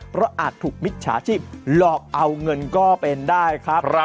เพราะอาจถูกมิจฉาชีพหลอกเอาเงินก็เป็นได้ครับ